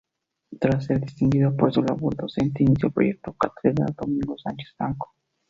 Tras ser distinguido por su labor docente, inició el proyecto "Cátedra Domingo Sánchez Blanco".